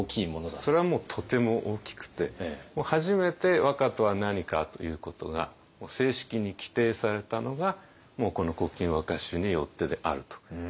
それはもうとても大きくて初めて和歌とは何かということが正式に規定されたのがこの「古今和歌集」によってであると。